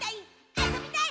あそびたい！